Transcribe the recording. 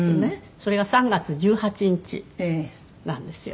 それが３月１８日なんですよ。